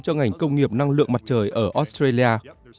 cho ngành công nghiệp năng lượng mặt trời ở australia